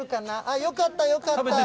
よかった、よかった。